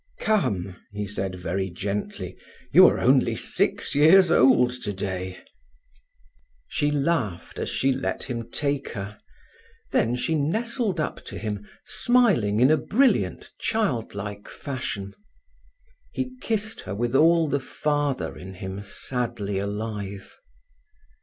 "Come," he said very gently. "You are only six years old today." She laughed as she let him take her. Then she nestled up to him, smiling in a brilliant, child like fashion. He kissed her with all the father in him sadly alive.